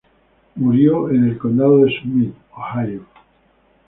Él murió en el condado de Summit, Ohio.